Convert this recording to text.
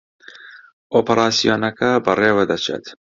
ئۆپراسیۆنەکە بەڕێوە دەچێت